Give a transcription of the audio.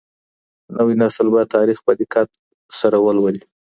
نوی نسل به تاریخ په دقت سره ولولي.